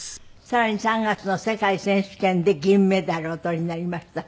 さらに３月の世界選手権で銀メダルをお取りになりました。